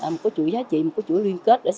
một cái chuỗi giá trị một cái chuỗi liên kết để